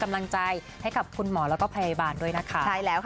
กำลังใจให้กับคุณหมอและพยาบาลด้วยนะคะ